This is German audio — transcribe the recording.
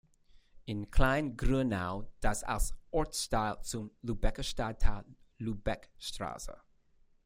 In "Klein Grönau", das als Ortsteil zum Lübecker Stadtteil Lübeck-St.